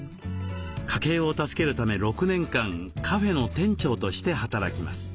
家計を助けるため６年間カフェの店長として働きます。